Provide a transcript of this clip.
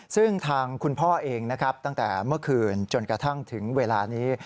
ซึ่งทางคุณพ่อเองนะครับตั้งแต่เมื่อคืนจนกระทั่งถึงเวลานี้